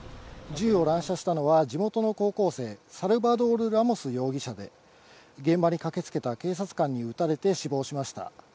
銃を乱射したのは、地元の高校生、サルバドール・ラモス容疑者で、現場に駆けつけた警察官に撃たれて死亡しました。